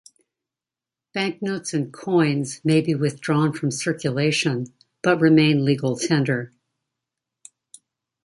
Banknotes and coins may be withdrawn from circulation, but remain legal tender.